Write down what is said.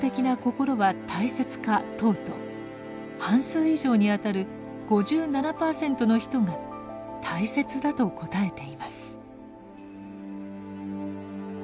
問うと半数以上にあたる５７％の人が「大切だ」と答えています。